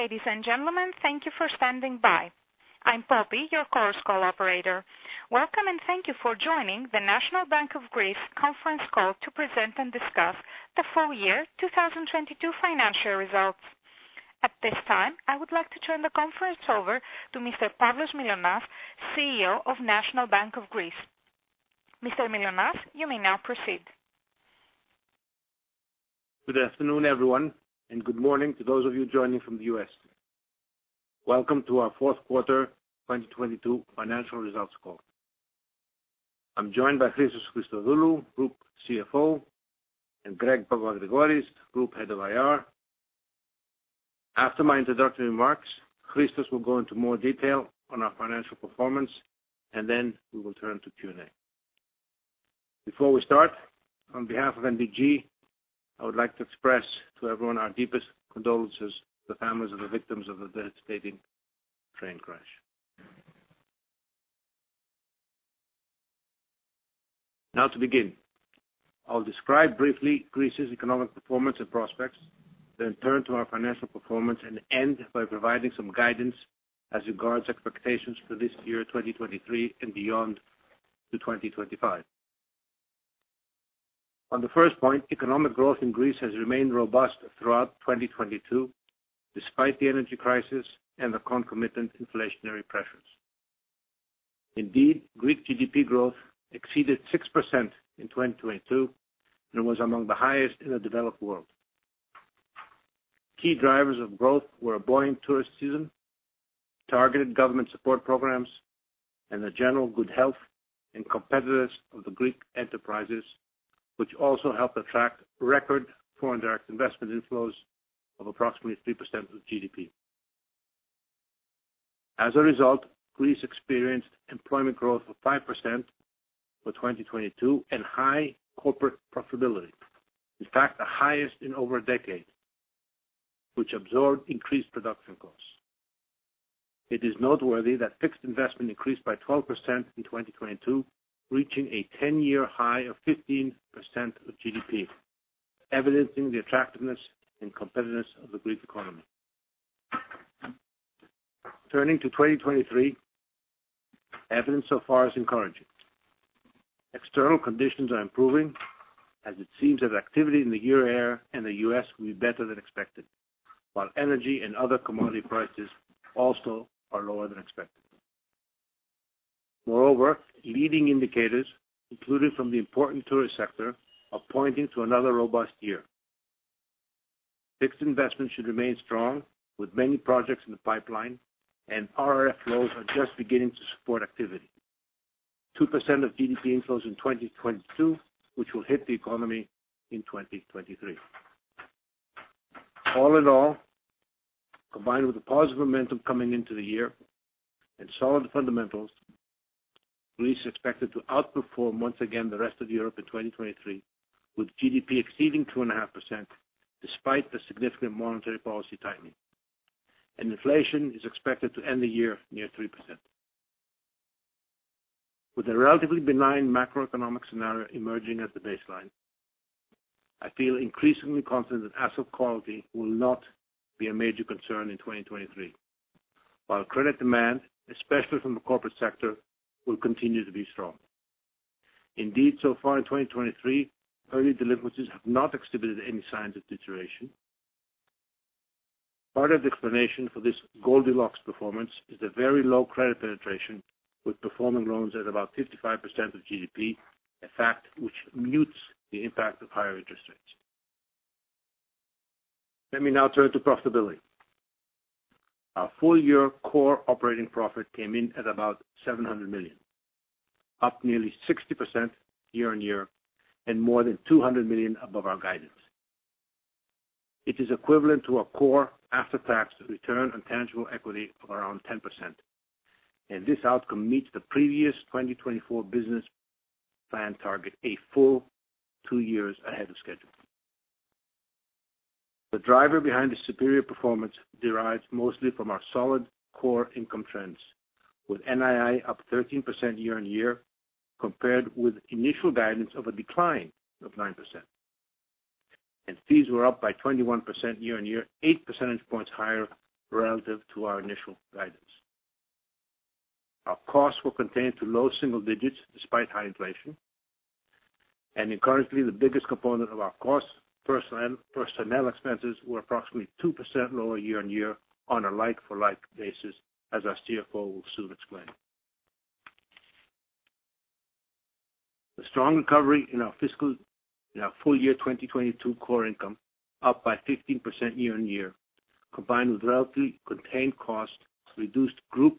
Ladies and gentlemen, thank you for standing by. I'm Poppy, your Chorus Call operator. Welcome, and thank you for joining the National Bank of Greece conference call to present and discuss the full year 2022 financial results. At this time, I would like to turn the conference over to Mr. Pavlos Mylonas, CEO of National Bank of Greece. Mr. Mylonas, you may now proceed. Good afternoon, everyone, good morning to those of you joining from the U.S. Welcome to our Fourth Quarter 2022 Financial Results Call. I'm joined by Christos Christodoulou, Group CFO, and Greg Papagrigoris, Group Head of IR. After my introductory remarks, Christos will go into more detail on our financial performance, and then we will turn to Q&A. Before we start, on behalf of NBG, I would like to express to everyone our deepest condolences to the families of the victims of the devastating train crash. Now to begin. I'll describe briefly Greece's economic performance and prospects, then turn to our financial performance and end by providing some guidance as regards expectations for this year, 2023, and beyond to 2025. On the first point, economic growth in Greece has remained robust throughout 2022, despite the energy crisis and the concomitant inflationary pressures. Greek GDP growth exceeded 6% in 2022 and was among the highest in the developed world. Key drivers of growth were a buoyant tourist season, targeted government support programs, and the general good health and competitiveness of the Greek enterprises, which also helped attract record foreign direct investment inflows of approximately 3% of GDP. As a result, Greece experienced employment growth of 5% for 2022 and high corporate profitability. In fact, the highest in over a decade, which absorbed increased production costs. It is noteworthy that fixed investment increased by 12% in 2022, reaching a 10-year high of 15% of GDP, evidencing the attractiveness and competitiveness of the Greek economy. Turning to 2023, evidence so far is encouraging. External conditions are improving as it seems that activity in the Euro area and the U.S. will be better than expected, while energy and other commodity prices also are lower than expected. Moreover, leading indicators, including from the important tourist sector, are pointing to another robust year. Fixed investment should remain strong, with many projects in the pipeline and RRF flows are just beginning to support activity. 2% of GDP inflows in 2022, which will hit the economy in 2023. All in all, combined with the positive momentum coming into the year and solid fundamentals, Greece is expected to outperform once again the rest of Europe in 2023, with GDP exceeding 2.5%, despite the significant monetary policy tightening. Inflation is expected to end the year near 3%. With a relatively benign macroeconomic scenario emerging as the baseline, I feel increasingly confident that asset quality will not be a major concern in 2023. While credit demand, especially from the corporate sector, will continue to be strong. Indeed, so far in 2023, early delinquencies have not exhibited any signs of deterioration. Part of the explanation for this Goldilocks performance is the very low credit penetration, with performing loans at about 55% of GDP, a fact which mutes the impact of higher interest rates. Let me now turn to profitability. Our full-year core operating profit came in at about 700 million, up nearly 60% year-on-year and more than 200 million above our guidance. It is equivalent to a core after-tax return on tangible equity of around 10%. This outcome meets the previous 2024 business plan target a full two years ahead of schedule. The driver behind this superior performance derives mostly from our solid core income trends, with NII up 13% year-on-year compared with initial guidance of a decline of 9%. Fees were up by 21% year-on-year, 8 percentage points higher relative to our initial guidance. Our costs were contained to low single digits despite high inflation. Encouragingly, the biggest component of our costs, personnel expenses, were approximately 2% lower year-on-year on a like-for-like basis, as our CFO will soon explain. The strong recovery in our fiscal, in our full year 2022 core income, up by 15% year on year, combined with relatively contained costs, reduced group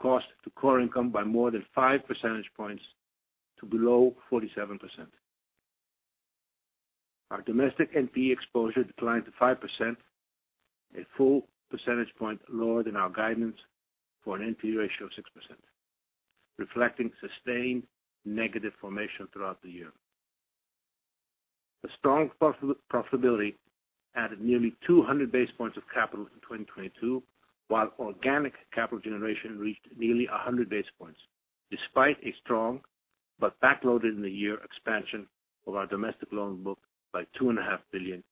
cost to core income by more than 5 percentage points to below 47%. Our domestic NPE exposure declined to 5%, a full percentage point lower than our guidance for an NPE ratio of 6%, reflecting sustained negative formation throughout the year. The strong profitability added nearly 200 base points of capital in 2022, while organic capital generation reached nearly 100 base points despite a strong. Backloaded in the year expansion of our domestic loan book by 2.5 billion,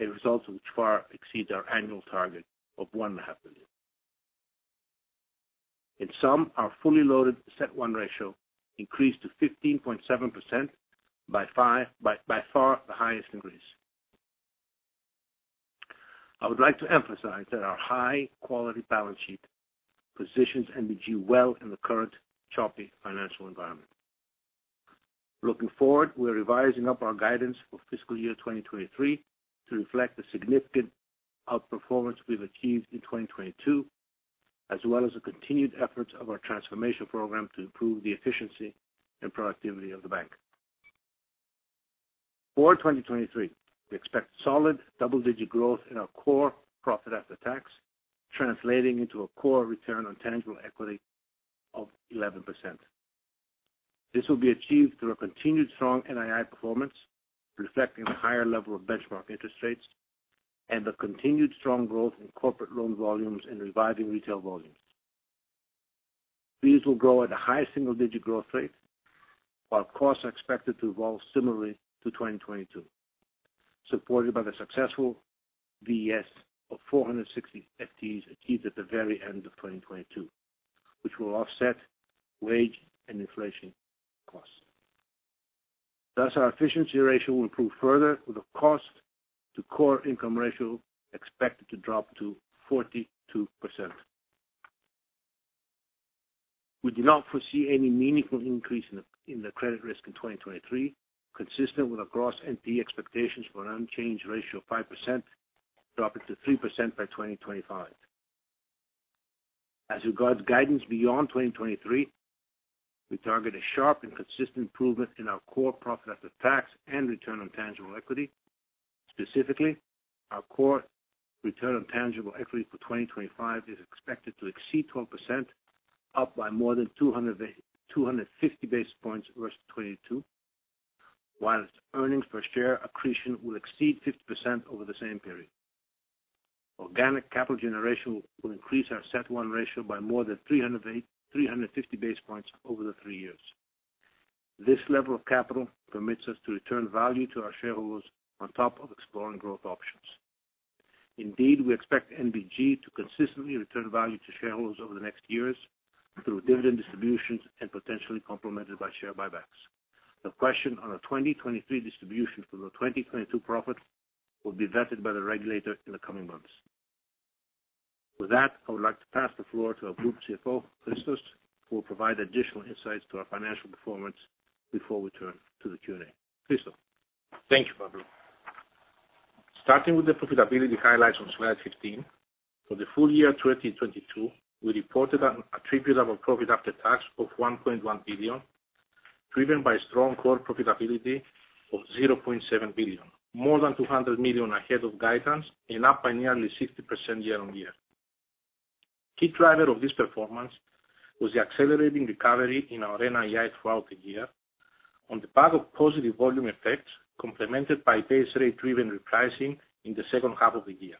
a result which far exceeds our annual target of 1.5 billion. In sum, our fully loaded CET1 ratio increased to 15.7% by far the highest increase. I would like to emphasize that our high-quality balance sheet positions NBG well in the current choppy financial environment. Looking forward, we are revising up our guidance for fiscal year 2023 to reflect the significant outperformance we've achieved in 2022, as well as the continued efforts of our transformation program to improve the efficiency and productivity of the bank. For 2023, we expect solid double-digit growth in our core profit after tax, translating into a core return on tangible equity of 11%. This will be achieved through our continued strong NII performance, reflecting the higher level of benchmark interest rates and the continued strong growth in corporate loan volumes and revising retail volumes. Fees will grow at a high single-digit growth rate, while costs are expected to evolve similarly to 2022, supported by the successful VS of 460 FTEs achieved at the very end of 2022, which will offset wage and inflation costs. Thus, our efficiency ratio will improve further with the cost to core income ratio expected to drop to 42%. We do not foresee any meaningful increase in the credit risk in 2023, consistent with our gross NPE expectations for an unchanged ratio of 5%, dropping to 3% by 2025. As regards guidance beyond 2023, we target a sharp and consistent improvement in our core profit after tax and return on tangible equity. Specifically, our core return on tangible equity for 2025 is expected to exceed 12%, up by more than 250 basis points versus 2022, whilst earnings per share accretion will exceed 50% over the same period. Organic capital generation will increase our CET1 ratio by more than 350 basis points over the three years. This level of capital permits us to return value to our shareholders on top of exploring growth options. Indeed, we expect NBG to consistently return value to shareholders over the next years through dividend distributions and potentially complemented by share buybacks. The question on our 2023 distribution for the 2022 profit will be vetted by the regulator in the coming months. With that, I would like to pass the floor to our Group CFO, Christos, who will provide additional insights to our financial performance before we turn to the Q&A. Christos? Thank you, Pavlos. Starting with the profitability highlights on slide 15, for the full year 2022, we reported an attributable profit after tax of 1.1 billion, driven by strong core profitability of 0.7 billion, more than 200 million ahead of guidance and up by nearly 60% year-over-year. Key driver of this performance was the accelerating recovery in our NII throughout the year on the back of positive volume effects, complemented by base rate-driven repricing in the second half of the year.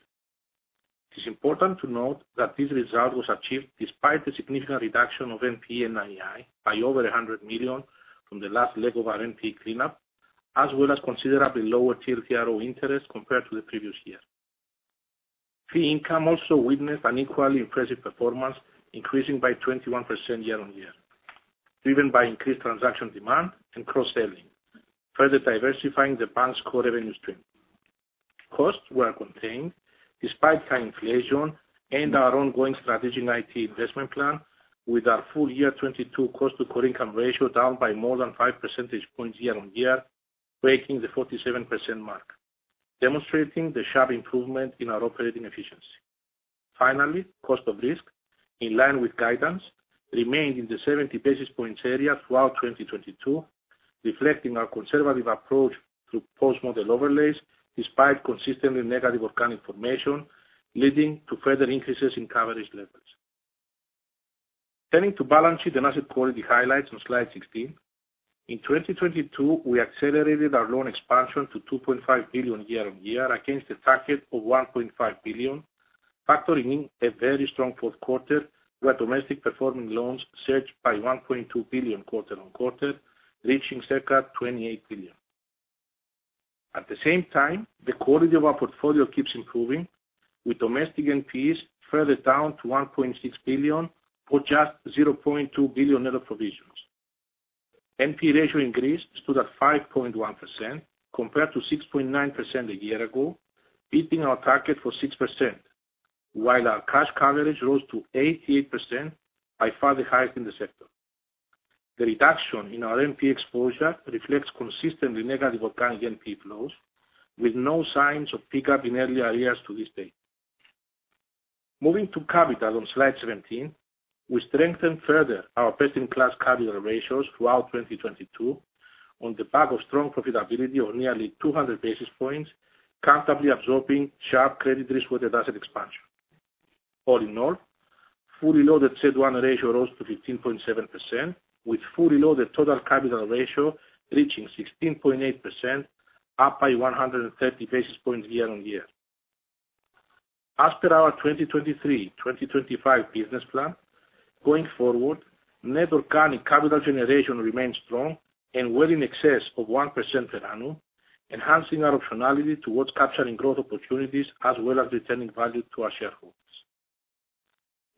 It is important to note that this result was achieved despite the significant reduction of NPE and NII by over 100 million from the last leg of our NPE cleanup, as well as considerably lower TLTRO interest compared to the previous year. Fee income also witnessed an equally impressive performance, increasing by 21% year-on-year, driven by increased transaction demand and cross-selling, further diversifying the bank's core revenue stream. Costs were contained despite high inflation and our ongoing strategic IT investment plan, with our full year 2022 cost to core income ratio down by more than 5 percentage points year-on-year, breaking the 47% mark, demonstrating the sharp improvement in our operating efficiency. Finally, cost of risk, in line with guidance, remained in the 70 basis points area throughout 2022, reflecting our conservative approach through post-model overlays, despite consistently negative organic formation, leading to further increases in coverage levels. Turning to balance sheet and asset quality highlights on slide 16. In 2022, we accelerated our loan expansion to 2.5 billion year-on-year against a target of 1.5 billion, factoring in a very strong fourth quarter where domestic performing loans surged by 1.2 billion quarter-on-quarter, reaching circa 28 billion. At the same time, the quality of our portfolio keeps improving, with domestic NPEs further down to 1.6 billion for just 0.2 billion net of provisions. NPE ratio increase stood at 5.1% compared to 6.9% a year ago, beating our target for 6%, while our cash coverage rose to 88%, by far the highest in the sector. The reduction in our NPE exposure reflects consistently negative organic NPE flows, with no signs of pickup in early areas to this date. Moving to capital on slide 17, we strengthened further our best-in-class capital ratios throughout 2022 on the back of strong profitability of nearly 200 basis points, comfortably absorbing sharp credit risk with asset expansion. All in all, fully loaded CET1 ratio rose to 15.7%, with fully loaded total capital ratio reaching 16.8%, up by 130 basis points year-on-year. As per our 2023, 2025 business plan, going forward, net organic capital generation remains strong and well in excess of 1% per annum, enhancing our optionality towards capturing growth opportunities as well as returning value to our shareholders.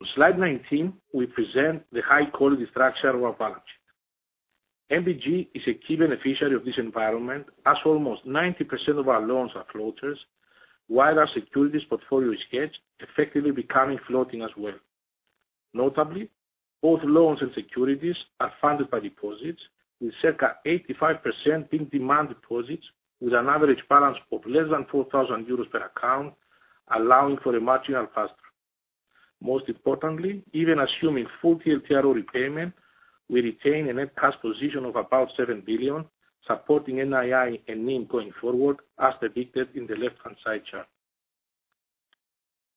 On slide 19, we present the high quality structure of our balance sheet. NBG is a key beneficiary of this environment, as almost 90% of our loans are floaters. Our securities portfolio is hedged, effectively becoming floating as well. Notably, both loans and securities are funded by deposits, with circa 85% in demand deposits with an average balance of less than 4,000 euros per account, allowing for a marginal pass-through. Most importantly, even assuming full TLTRO repayment, we retain a net cash position of about 7 billion, supporting NII and NIM going forward, as depicted in the left-hand side chart.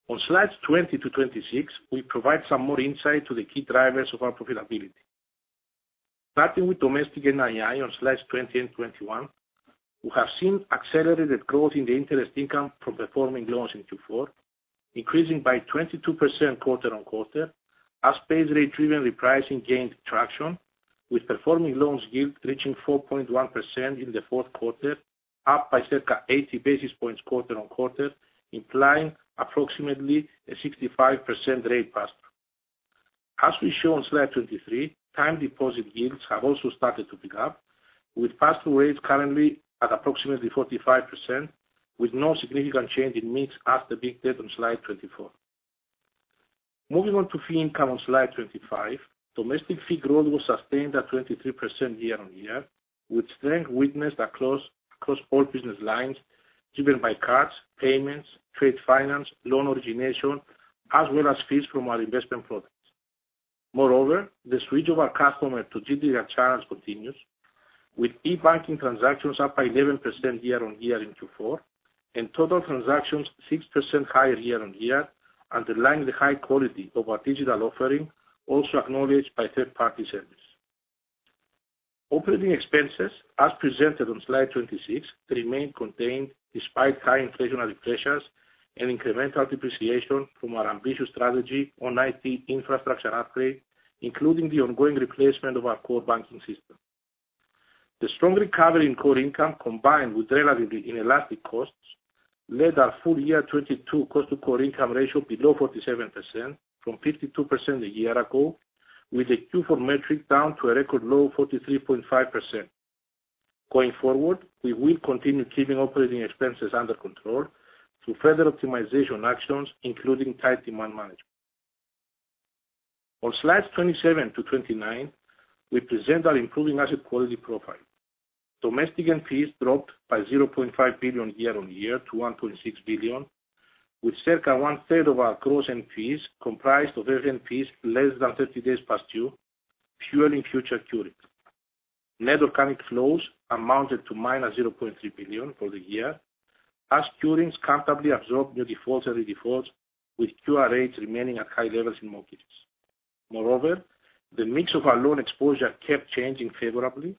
On slides 20 to 26, we provide some more insight to the key drivers of our profitability. Starting with domestic NII on slides 20 and 21, we have seen accelerated growth in the interest income from performing loans in Q4, increasing by 22% quarter-on-quarter as base rate-driven repricing gained traction, with performing loans yield reaching 4.1% in the fourth quarter, up by circa 80 basis points quarter-on-quarter, implying approximately a 65% rate pass-through. As we show on slide 23, time deposit yields have also started to pick up, with pass-through rates currently at approximately 45%, with no significant change in mix as depicted on slide 24. Moving on to fee income on slide 25, domestic fee growth was sustained at 23% year-on-year, with strength witnessed across all business lines, driven by cards, payments, trade finance, loan origination, as well as fees from our investment products. Moreover, the switch of our customer to digital channels continues, with e-banking transactions up by 11% year-on-year in Q4, and total transactions 6% higher year-on-year, underlying the high quality of our digital offering, also acknowledged by third-party surveys. Operating expenses, as presented on slide 26, remain contained despite high inflationary pressures and incremental depreciation from our ambitious strategy on IT infrastructure upgrade, including the ongoing replacement of our core banking system. The strong recovery in core income, combined with relatively inelastic costs, led our full year 2022 cost to core income ratio below 47% from 52% a year ago, with the Q4 metric down to a record low of 43.5%. Going forward, we will continue keeping operating expenses under control through further optimization actions, including tight demand management. On slides 27 to 29, we present our improving asset quality profile. Domestic NPEs dropped by 0.5 billion year-on-year to 1.6 billion, with circa one-third of our gross NPEs comprised of NPEs less than 30 days past due, fueling future curings. Net organic flows amounted to minus 0.3 billion for the year as curings comfortably absorbed new defaults and redefaults, with cures remaining at high levels in markets. Moreover, the mix of our loan exposure kept changing favorably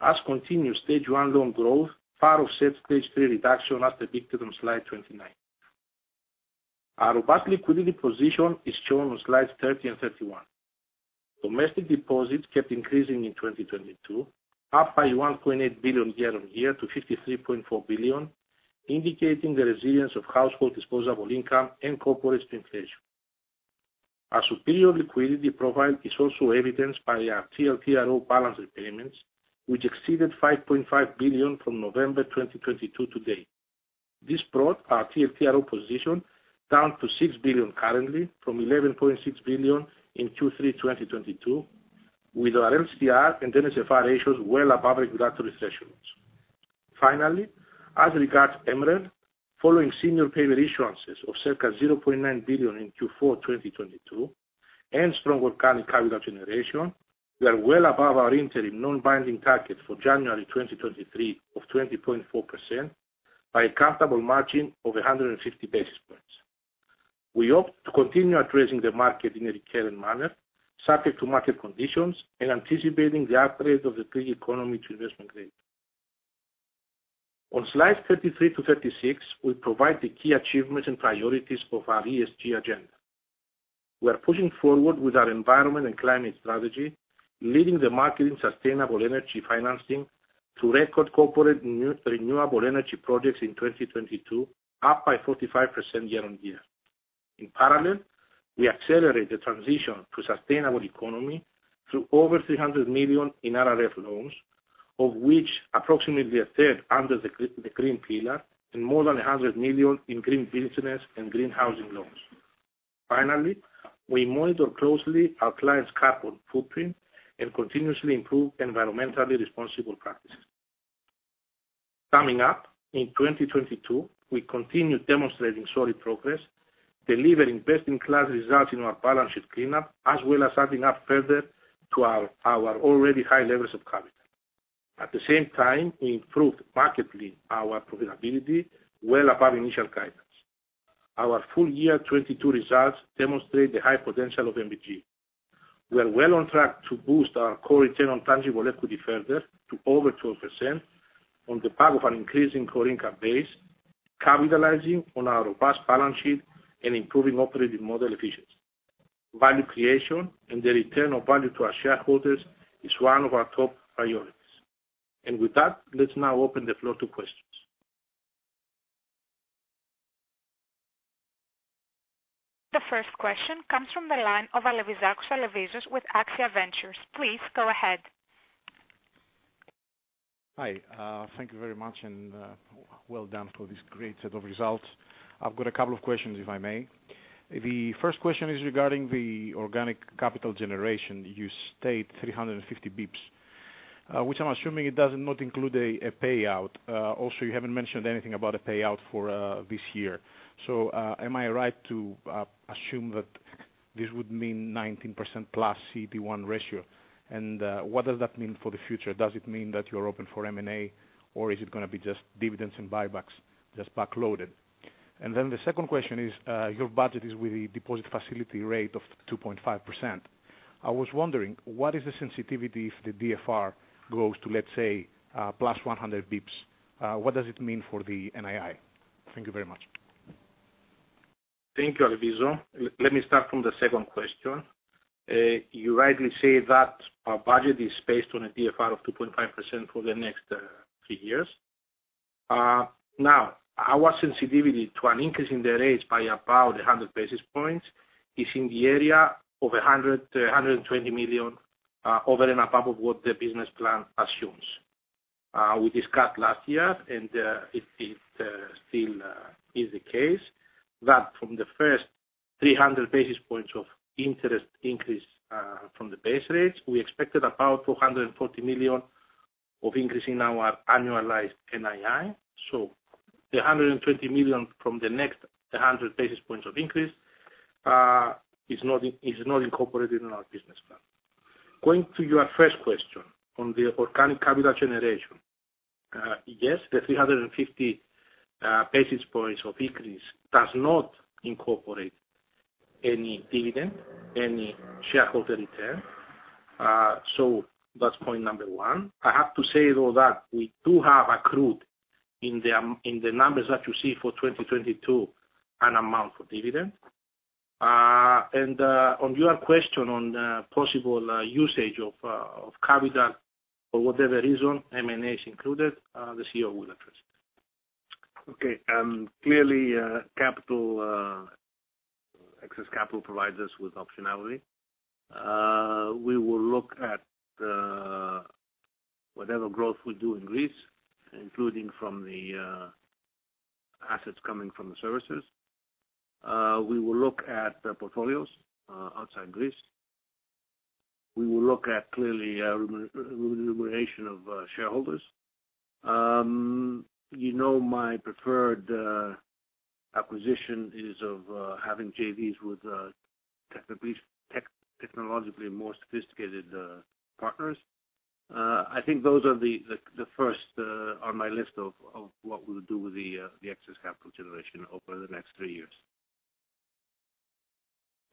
as continued stage one loan growth far offset stage three reduction, as depicted on slide 29. Our robust liquidity position is shown on slides 30 and 31. Domestic deposits kept increasing in 2022, up by 1.8 billion year-on-year to 53.4 billion, indicating the resilience of household disposable income and corporate inflation. Our superior liquidity profile is also evidenced by our TLTRO balance repayments, which exceeded 5.5 billion from November 2022 to date. This brought our TLTRO position down to 6 billion currently from 11.6 billion in Q3 2022, with our LCR and NSFR ratios well above regulatory thresholds. As regards MREL, following senior paper issuances of circa 0.9 billion in Q4 2022 and strong organic capital generation, we are well above our interim non-binding target for January 2023 of 20.4% by a comfortable margin of 150 basis points. We hope to continue addressing the market in a recurrent manner, subject to market conditions and anticipating the upgrade of the Greek economy to investment grade. On slides 33 to 36, we provide the key achievements and priorities of our ESG agenda. We are pushing forward with our environment and climate strategy, leading the market in sustainable energy financing to record corporate renewable energy projects in 2022, up by 45% year-on-year. In parallel, we accelerate the transition to sustainable economy through over 300 million in RRF loans, of which approximately a third under the green pillar and more than 100 million in green business and green housing loans. Finally, we monitor closely our clients' carbon footprint and continuously improve environmentally responsible practices. Summing up, in 2022, we continued demonstrating solid progress, delivering best-in-class results in our balance sheet cleanup, as well as adding up further to our already high levels of capital. At the same time, we improved markedly our profitability well above initial guidance. Our full year 2022 results demonstrate the high potential of NBG. We are well on track to boost our core return on tangible equity further to over 12% on the back of an increasing core income base, capitalizing on our robust balance sheet and improving operating model efficiency. Value creation and the return of value to our shareholders is one of our top priorities. With that, let's now open the floor to questions. The first question comes from the line of Alevizakos, Alevizos with AXIA Ventures. Please go ahead. Hi, thank you very much. Well done for this great set of results. I've got a couple of questions, if I may. The first question is regarding the organic capital generation. You state 350 basis points, which I'm assuming it does not include a payout. You haven't mentioned anything about a payout for this year. Am I right to assume that this would mean 19% plus CET1 ratio? What does that mean for the future? Does it mean that you're open for M&A, or is it gonna be just dividends and buybacks just backloaded? The second question is, your budget is with the deposit facility rate of 2.5%. I was wondering, what is the sensitivity if the DFR goes to, let's say, plus 100 basis points? What does it mean for the NII? Thank you very much. Thank you, Alevizos. Let me start from the second question. You rightly say that our budget is based on a DFR of 2.5% for the next three years. Now our sensitivity to an increase in the rates by about 100 basis points is in the area of 120 million over and above of what the business plan assumes. We discussed last year, and it still is the case that from the first 300 basis points of interest increase from the base rates, we expected about 240 million of increase in our annualized NII. The 120 million from the next 100 basis points of increase is not incorporated in our business plan. Going to your first question on the organic capital generation, yes, the 350 basis points of increase does not incorporate any dividend, any shareholder return. That's point number one. I have to say, though, that we do have accrued in the numbers that you see for 2022 an amount for dividend. On your question on the possible usage of capital for whatever reason, M&A included, the CEO will address it. Okay. Clearly, capital, excess capital provides us with optionality. We will look at whatever growth we do in Greece, including from the assets coming from the services. We will look at the portfolios outside Greece. We will look at, clearly, remuneration of shareholders. You know, my preferred acquisition is of having JVs with technologically more sophisticated partners. I think those are the first on my list of what we'll do with the excess capital generation over the next three years.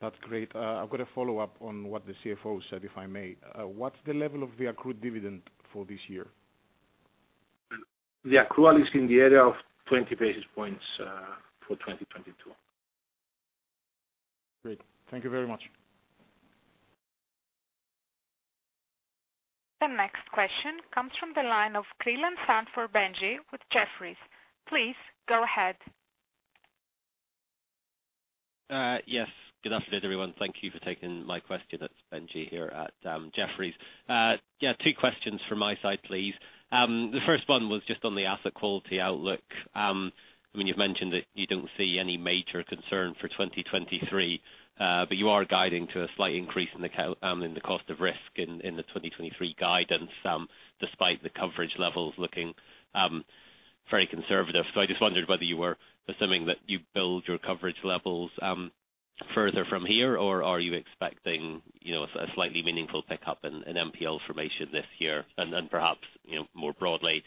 That's great. I've got a follow-up on what the CFO said, if I may. What's the level of the accrued dividend for this year? The accrual is in the area of 20 basis points, for 2022. Great. Thank you very much. The next question comes from the line of Creelan-Sandford, Benjie with Jefferies. Please go ahead. Yes. Good afternoon, everyone. Thank you for taking my question. It's Benjie here at Jefferies. Yeah, two questions from my side, please. The first one was just on the asset quality outlook. I mean, you've mentioned that you don't see any major concern for 2023, but you are guiding to a slight increase in the cost of risk in the 2023 guidance, despite the coverage levels looking very conservative. I just wondered whether you were assuming that you build your coverage levels further from here, or are you expecting, you know, a slightly meaningful pickup in NPL formation this year? Perhaps, you know, more broadly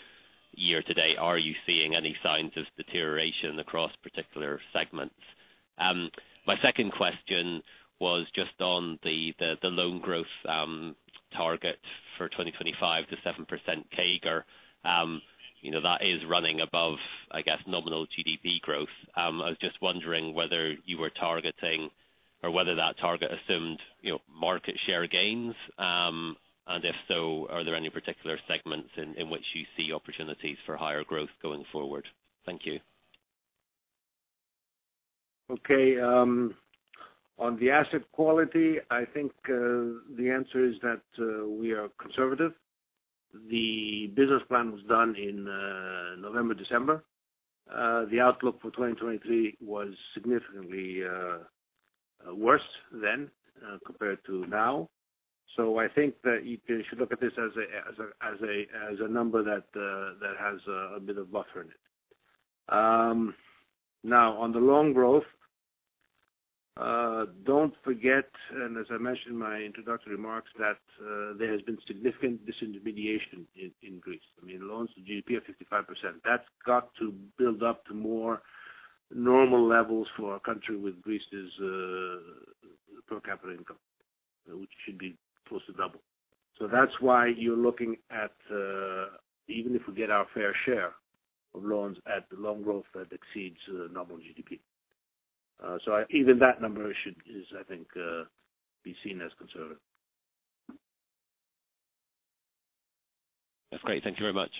year to date, are you seeing any signs of deterioration across particular segments? My second question was just on the, the loan growth target for 2025 to 7% CAGR. You know, that is running above, I guess, nominal GDP growth. I was just wondering whether you were targeting or whether that target assumed, you know, market share gains. And if so, are there any particular segments in which you see opportunities for higher growth going forward? Thank you. Okay. On the asset quality, I think the answer is that we are conservative. The business plan was done in November, December. The outlook for 2023 was significantly worse then compared to now. I think that you should look at this as a number that has a bit of buffer in it. Now on the loan growth, don't forget, and as I mentioned in my introductory remarks, that there has been significant disintermediation in Greece. I mean, loans to GDP are 55%. That's got to build up to more Normal levels for a country with Greece is, per capita income, which should be close to double. That's why you're looking at, even if we get our fair share of loans at the loan growth that exceeds the nominal GDP. Even that number is, I think, be seen as conservative. That's great. Thank you very much.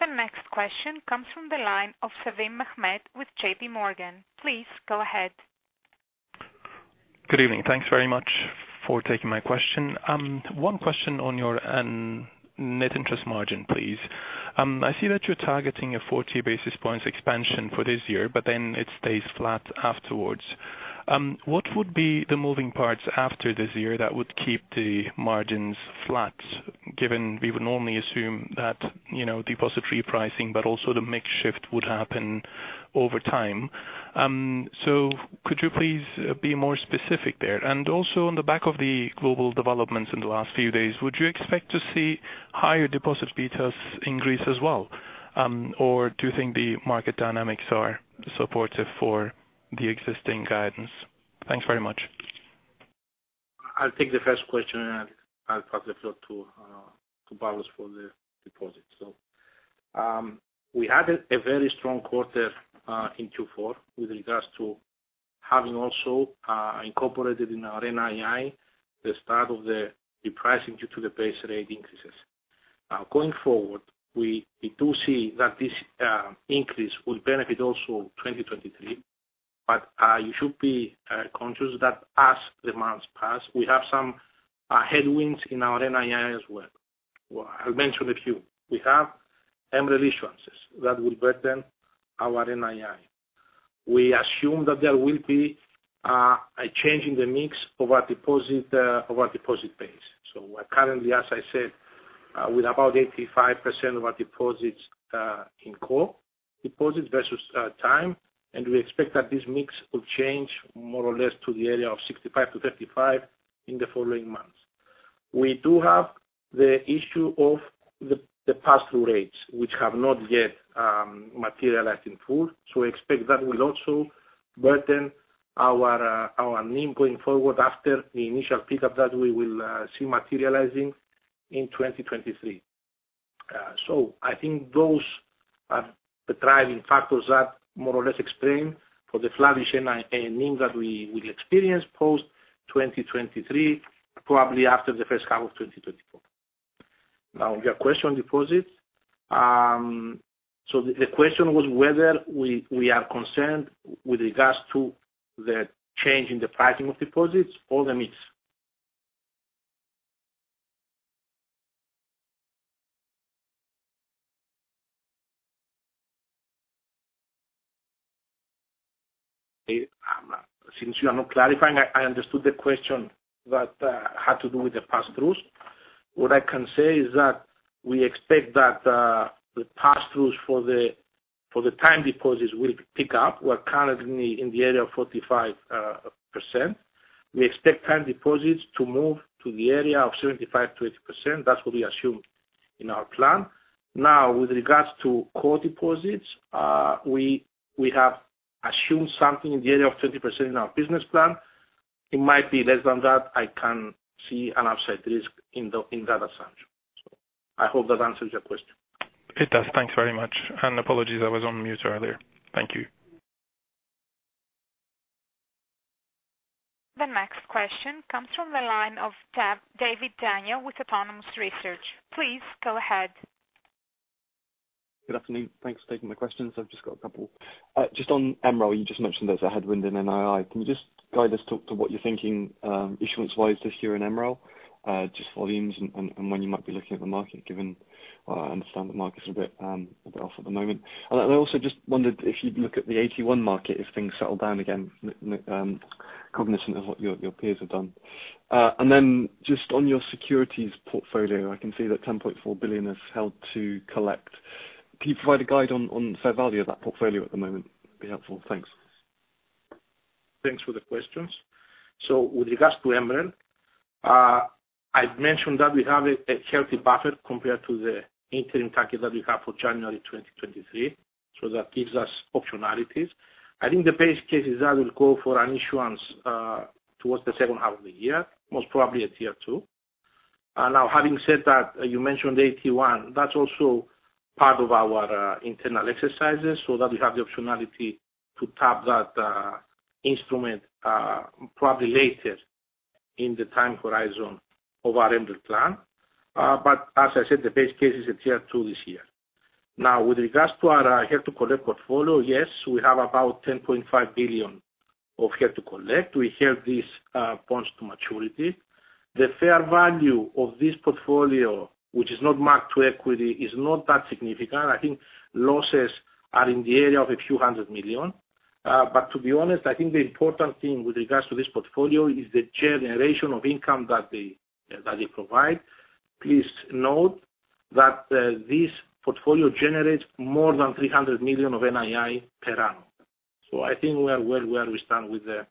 The next question comes from the line of Sevim, Mehmet with JPMorgan. Please go ahead. Good evening. Thanks very much for taking my question. One question on your net interest margin, please. I see that you're targeting a 40 basis points expansion for this year, it stays flat afterwards. What would be the moving parts after this year that would keep the margins flat, given we would normally assume that, you know, deposit repricing, but also the mix shift would happen over time. Could you please be more specific there? On the back of the global developments in the last few days, would you expect to see higher deposit betas in Greece as well, or do you think the market dynamics are supportive for the existing guidance? Thanks very much. I'll take the first question, and I'll pass the floor to Pavlos for the deposits. We had a very strong quarter in Q4 with regards to having also incorporated in our NII the start of the repricing due to the base rate increases. Going forward, we do see that this increase will benefit also 2023, but you should be conscious that as the months pass, we have some headwinds in our NII as well. I'll mention a few. We have MREL issuances that will burden our NII. We assume that there will be a change in the mix of our deposit of our deposit base. We're currently, as I said, with about 85% of our deposits in core deposits versus time, and we expect that this mix will change more or less to the area of 65% to 35% in the following months. We do have the issue of the pass-through rates, which have not yet materialized in full. We expect that will also burden our NIM going forward after the initial peak of that we will see materializing in 2023. I think those are the driving factors that more or less explain for the flattish NII and NIM that we experience post 2023, probably after the first half of 2024. Your question on deposits. The question was whether we are concerned with regards to the change in the pricing of deposits or the mix. Since you are not clarifying, I understood the question that had to do with the pass-throughs. What I can say is that we expect that the pass-throughs for the time deposits will pick up. We're currently in the area of 45%. We expect time deposits to move to the area of 75%-80%. That's what we assumed in our plan. With regards to core deposits, we have assumed something in the area of 20% in our business plan. It might be less than that. I can see an upside risk in that assumption. I hope that answers your question. It does. Thanks very much. And apologies, I was on mute earlier. Thank you. The next question comes from the line of David Daniel with Autonomous Research. Please go ahead. Good afternoon. Thanks for taking my questions. I've just got a couple. Just on MREL, you just mentioned there's a headwind in NII. Can you just guide us talk to what you're thinking issuance-wise this year in MREL, just volumes and when you might be looking at the market, given I understand the market is a bit off at the moment. I also just wondered if you'd look at the AT1 market if things settle down again, cognizant of what your peers have done. Just on your securities portfolio, I can see that 10.4 billion is Held to Collect. Can you provide a guide on fair value of that portfolio at the moment? Be helpful. Thanks. Thanks for the questions. With regards to MREL, I've mentioned that we have a healthy buffer compared to the interim target that we have for January 2023. That gives us optionalities. I think the base case is that we'll go for an issuance towards the second half of the year, most probably at year two. Having said that, you mentioned AT1, that's also part of our internal exercises so that we have the optionality to tap that instrument probably later in the time horizon of our MREL plan. As I said, the base case is at year two this year. With regards to our Held to Collect portfolio, yes, we have about 10.5 billion of Held to Collect. We have these bonds to maturity. The fair value of this portfolio, which is not marked to equity, is not that significant. I think losses are in the area of a few hundred million. To be honest, I think the important thing with regards to this portfolio is the generation of income that they provide. Please note that this portfolio generates more than 300 million of NII per annum. I think we are well where we stand with the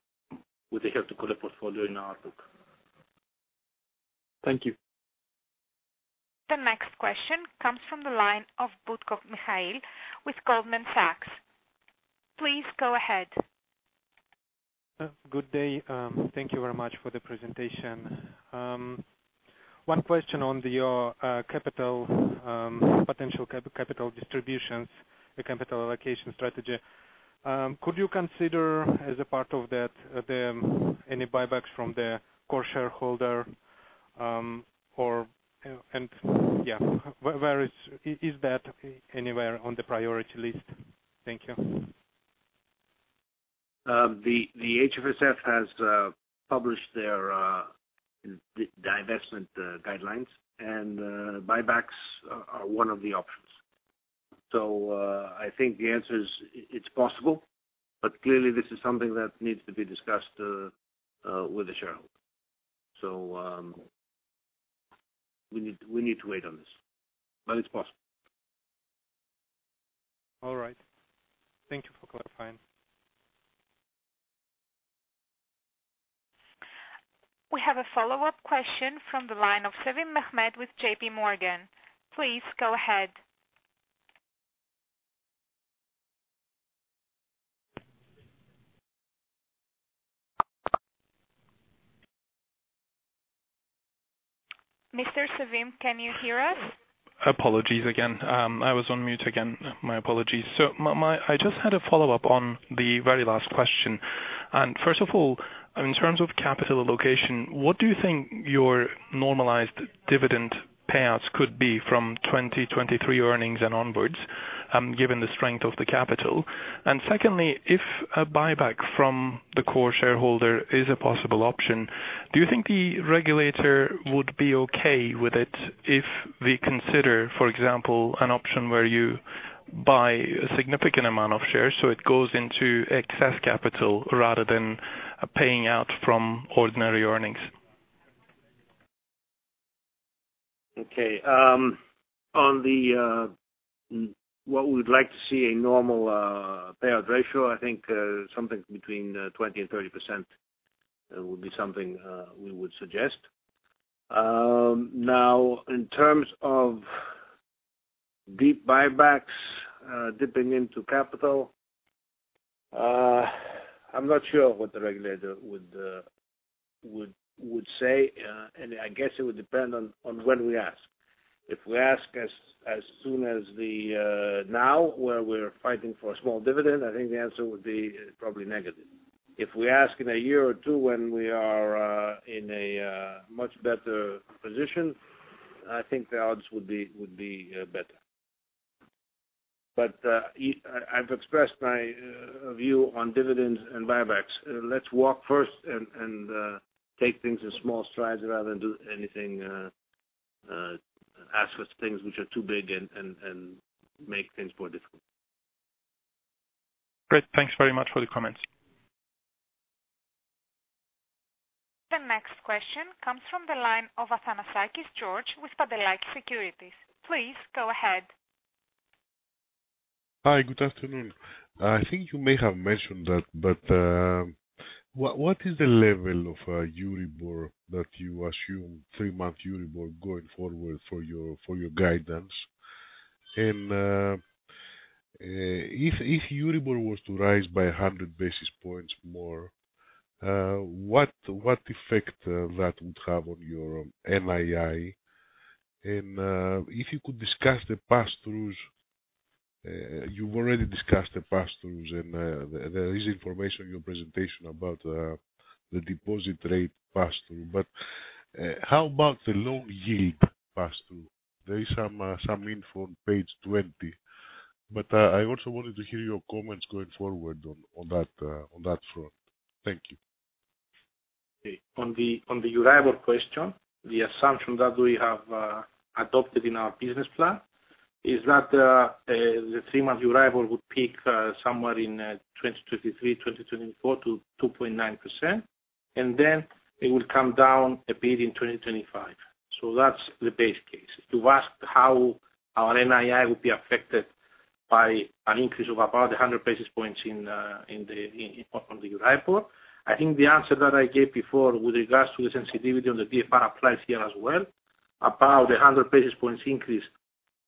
Held to Collect portfolio in our book. Thank you. The next question comes from the line of Butkov, Mikhail with Goldman Sachs. Please go ahead. Good day. Thank you very much for the presentation. One question on your capital, potential capital distributions, the capital allocation strategy. Could you consider as a part of that any buybacks from the core shareholder, or? Yeah, where is that anywhere on the priority list? Thank you. The HFSF has published their divestment guidelines, and buybacks are one of the options. I think the answer is, it's possible, but clearly this is something that needs to be discussed with the shareholder. We need to wait on this. It's possible. All right. Thank you for clarifying. We have a follow-up question from the line of Sevim, Mehmet with JPMorgan. Please go ahead. Mr. Sevim, can you hear us? Apologies again. I was on mute again. My apologies. I just had a follow-up on the very last question. First of all, in terms of capital allocation, what do you think your normalized dividend payouts could be from 2023 earnings and onwards, given the strength of the capital? Secondly, if a buyback from the core shareholder is a possible option, do you think the regulator would be okay with it if we consider, for example, an option where you buy a significant amount of shares so it goes into excess capital rather than paying out from ordinary earnings? Okay. On the, what we'd like to see a normal payout ratio, I think something between 20% and 30% would be something we would suggest. In terms of deep buybacks, dipping into capital, I'm not sure what the regulator would say. I guess it would depend on when we ask. If we ask as soon as the now, where we're fighting for a small dividend, I think the answer would be probably negative. If we ask in a year or two when we are in a much better position, I think the odds would be better. I've expressed my view on dividends and buybacks. Let's walk first and take things in small strides rather than do anything, ask for things which are too big and make things more difficult. Great. Thanks very much for the comments. The next question comes from the line of Athanasakis, George with Pantelakis Securities. Please go ahead. Hi, good afternoon. I think you may have mentioned that, but what is the level of Euribor that you assume, 3-month Euribor, going forward for your, for your guidance? If Euribor was to rise by 100 basis points more, what effect that would have on your NII? If you could discuss the pass-throughs. You've already discussed the pass-throughs, there is information in your presentation about the deposit rate pass-through. How about the loan yield pass-through? There is some info on page 20. I also wanted to hear your comments going forward on that, on that front. Thank you. On the, on the Euribor question, the assumption that we have adopted in our business plan is that the three-month Euribor would peak somewhere in 2023, 2024 to 2.9%, and then it would come down a bit in 2025. To ask how our NII will be affected by an increase of about 100 basis points on the Euribor, I think the answer that I gave before with regards to the sensitivity on the BFR applies here as well. About 100 basis points increase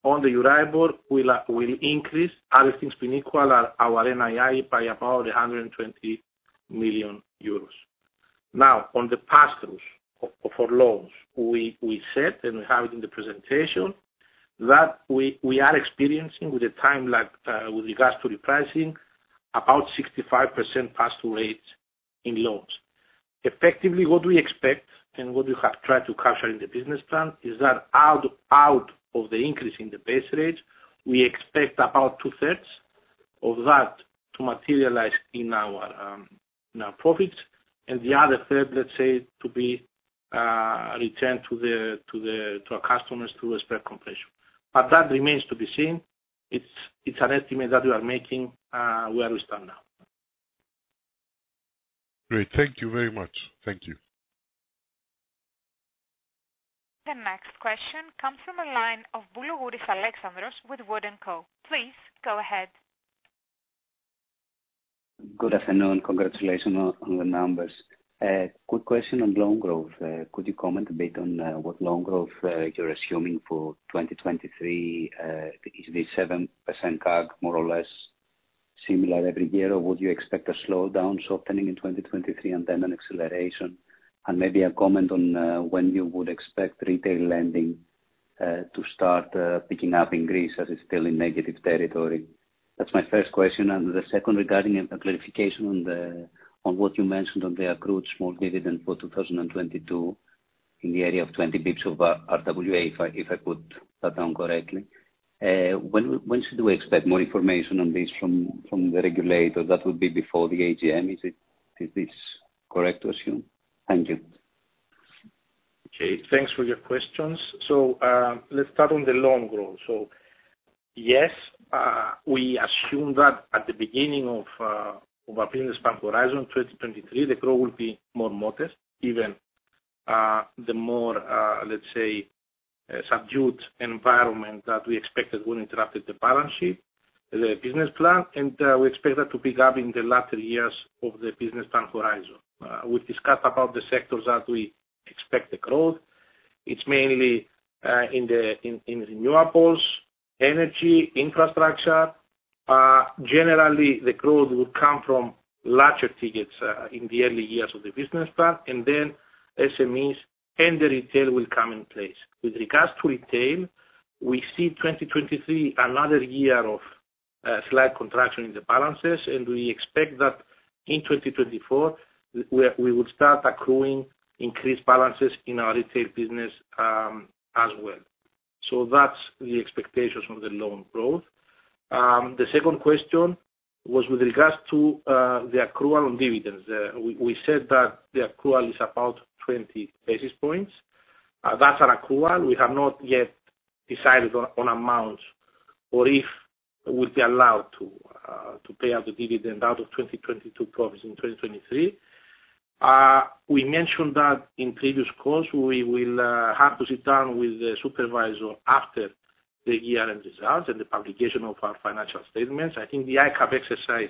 on the Euribor will increase other things being equal our NII by about 120 million euros. On the pass-throughs of our loans, we said and we have it in the presentation that we are experiencing with the time lag with regards to repricing about 65% pass-through rates in loans. Effectively, what we expect and what we have tried to capture in the business plan is that out of the increase in the base rates, we expect about two-thirds of that to materialize in our profits, and the other third, let's say, to be returned to our customers through a spread compression. That remains to be seen. It's an estimate that we are making where we stand now. Great. Thank you very much. Thank you. The next question comes from the line of Boulougouris, Alexandros with Wood & Co. Please go ahead. Good afternoon. Congratulations on the numbers. Quick question on loan growth. Could you comment a bit on what loan growth you're assuming for 2023? Is the 7% CAG more or less similar every year? Would you expect a slowdown softening in 2023 and then an acceleration? Maybe a comment on when you would expect retail lending to start picking up in Greece, as it's still in negative territory. That's my first question. The second regarding a clarification on what you mentioned on the accrued small dividend for 2022 in the area of 20 basis points of RWA, if I put that down correctly. When should we expect more information on this from the regulator? That would be before the AGM. Is it, is this correct to assume? Thank you. Okay, thanks for your questions. Let's start on the loan growth. Yes, we assume that at the beginning of our business bank horizon, 2023, the growth will be more modest, even the more, let's say, subdued environment that we expected when we drafted the balance sheet, the business plan, and we expect that to pick up in the latter years of the business plan horizon. We discussed about the sectors that we expect the growth. It's mainly in the renewables, energy, infrastructure. Generally, the growth will come from larger tickets in the early years of the business plan, and then SMEs and the retail will come in place. With regards to retail, we see 2023 another year of slight contraction in the balances, and we expect that in 2024, we will start accruing increased balances in our retail business as well. That's the expectations from the loan growth. The second question was with regards to the accrual on dividends. We said that the accrual is about 20 basis points. That's an accrual. We have not yet decided on amounts or if we'd be allowed to pay out the dividend out of 2022 profits in 2023. We mentioned that in previous calls, we will have to sit down with the supervisor after the year-end results and the publication of our financial statements. I think the ICAAP exercise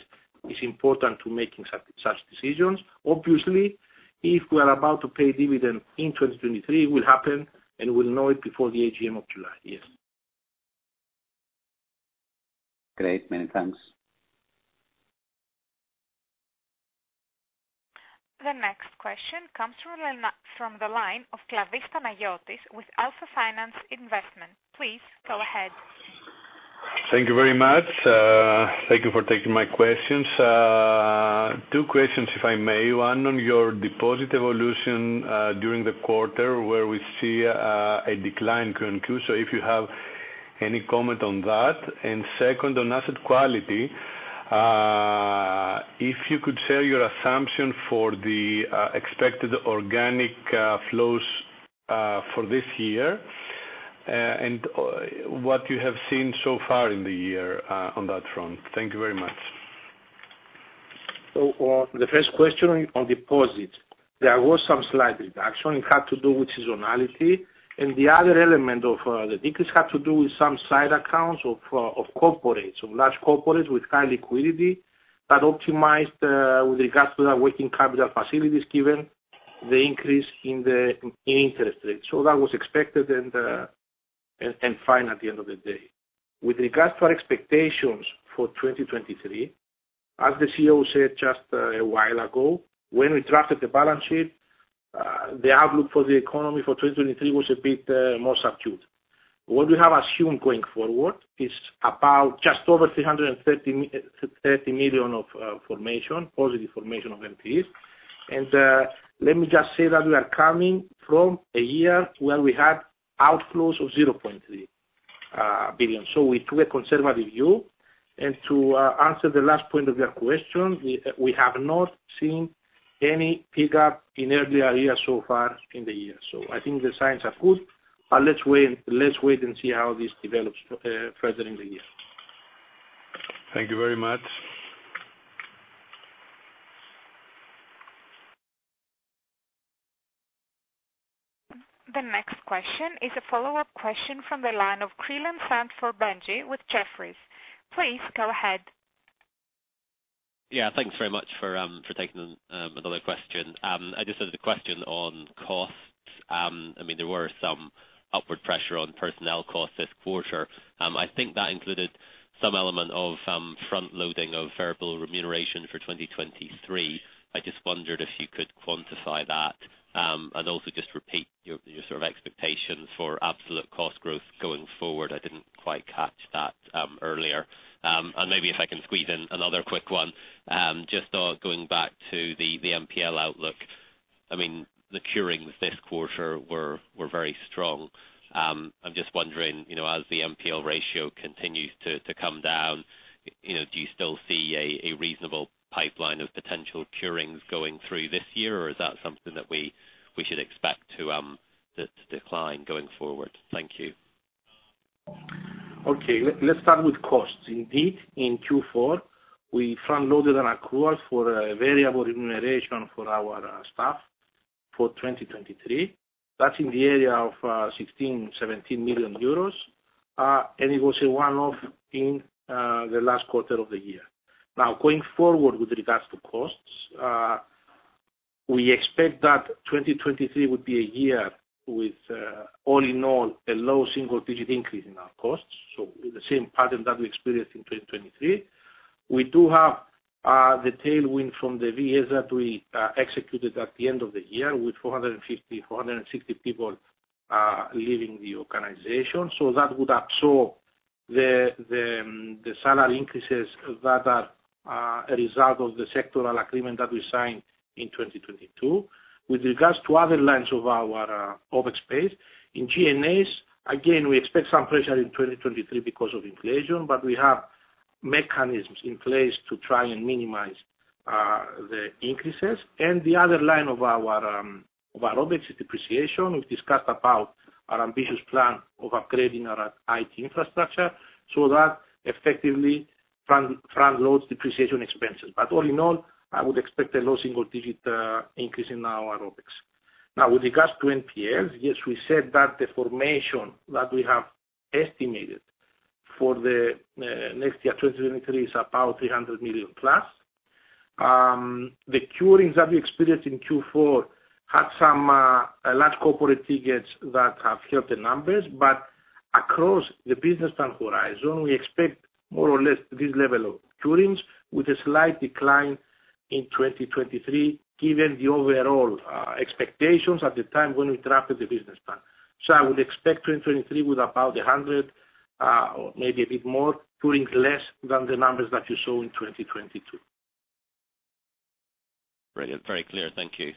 is important to making such decisions. Obviously, if we are about to pay dividend in 2023, it will happen, and we'll know it before the AGM of July, yes. Great, many thanks. The next question comes from the line of Kladis, Panagiotis with Alpha Finance Investment. Please go ahead. Thank you very much. Thank you for taking my questions. Two questions, if I may. One, on your deposit evolution, during the quarter where we see a decline Q-on-Q. If you have any comment on that. Second, on asset quality, if you could share your assumption for the expected organic flows for this year, and what you have seen so far in the year on that front. Thank you very much. On the first question on deposits, there was some slight reduction. It had to do with seasonality. The other element of the decrease had to do with some side accounts of corporates, of large corporates with high liquidity that optimized with regards to their working capital facilities given the increase in interest rates. That was expected and fine at the end of the day. With regards to our expectations for 2023, as the CEO said just a while ago, when we drafted the balance sheet, the outlook for the economy for 2023 was a bit more subdued. What we have assumed going forward is about just over 330 million of formation, positive formation of NPEs. Let me just say that we are coming from a year where we had outflows of 0.3 billion. We took a conservative view. To answer the last point of your question, we have not seen any pickup in early areas so far in the year. I think the signs are good, but let's wait and see how this develops further in the year. Thank you very much. The next question is a follow-up question from the line of Creelan-Sandford, Benjie with Jefferies. Please go ahead. Yeah. Thanks very much for taking another question. I just had a question on costs. I mean, there were some upward pressure on personnel costs this quarter. I think that included some element of front loading of variable remuneration for 2023. I just wondered if you could quantify that, and also just repeat your sort of expectations for absolute cost growth going forward. I didn't quite catch that earlier. Maybe if I can squeeze in another quick one, just, going back to the NPL outlook. I mean, the curings this quarter were very strong. I'm just wondering, you know, as the NPL ratio continues to come down, you know, do you still see a reasonable pipeline of potential curings going through this year, or is that something that we should expect to decline going forward? Thank you. Okay. Let's start with costs. Indeed, in Q4, we front loaded an accrual for a variable remuneration for our staff. For 2023, that's in the area of 16 million-17 million euros, and it was a one-off in the last quarter of the year. Going forward with regards to costs, we expect that 2023 would be a year with all in all, a low single-digit increase in our costs. The same pattern that we experienced in 2023. We do have the tailwind from the VS that we executed at the end of the year with 450-460 people leaving the organization. That would absorb the salary increases that are a result of the sectoral agreement that we signed in 2022. With regards to other lines of our OpEx space, in G&As, again, we expect some pressure in 2023 because of inflation, but we have mechanisms in place to try and minimize the increases. The other line of our OpEx is depreciation. We've discussed about our ambitious plan of upgrading our IT infrastructure, so that effectively transloads depreciation expenses. All in all, I would expect a low single digit increase in our OpEx. Now, with regards to NPL, yes, we said that the formation that we have estimated for the next year, 2023, is about 300 million plus. The curings that we experienced in Q4 had some large corporate tickets that have helped the numbers. Across the business plan horizon, we expect more or less this level of curings with a slight decline in 2023, given the overall expectations at the time when we drafted the business plan. I would expect 2023 with about 100 or maybe a bit more curings less than the numbers that you saw in 2022. Brilliant. Very clear. Thank you.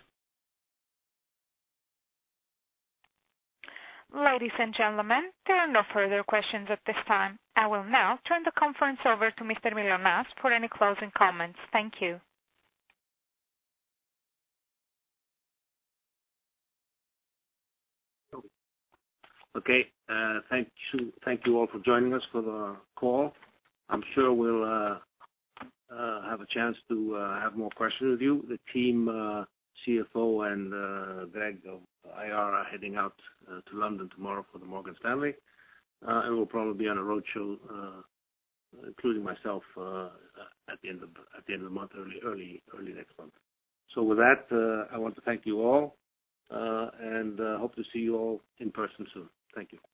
Ladies and gentlemen, there are no further questions at this time. I will now turn the conference over to Mr. Mylonas for any closing comments. Thank you. Thank you. Thank you all for joining us for the call. I'm sure we'll have a chance to have more questions with you. The team, CFO and Greg of IR are heading out to London tomorrow for the Morgan Stanley. We'll probably be on a roadshow, including myself, at the end of the month, early next month. With that, I want to thank you all and hope to see you all in person soon. Thank you.